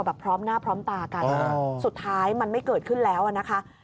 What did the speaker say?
พร้อมหน้าพร้อมตากันสุดท้ายมันไม่เกิดขึ้นแล้วนะคะ